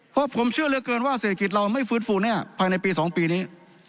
เพราะผมเชื่อเหลือเกินว่าเศรษฐกิจเราไม่ฟื้นฟูแน่ภายในปี๒ปีนี้